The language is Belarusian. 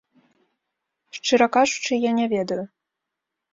Шчыра кажучы, я не ведаю.